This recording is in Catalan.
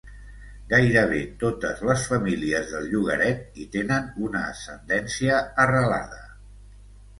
Gairebé totes les famílies del llogaret hi tenen una ascendència arrelada.